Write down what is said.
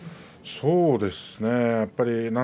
そうですね。